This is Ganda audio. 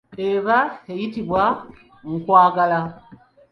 Eba eyitibwa kkwangala.